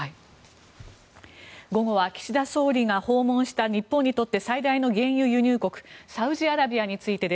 午後は岸田総理が訪問した日本にとって最大の原油輸入国サウジアラビアについて。